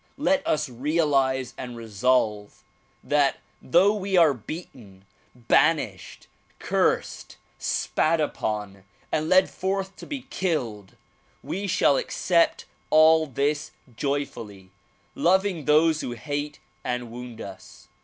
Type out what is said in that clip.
Let us realize and resolve that though we are beaten, banished, cursed, spat upon and led forth to be killed we shall accept all this joyfully, loving those who hate and wound us."